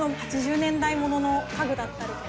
８０年代ものの家具だったりとかが。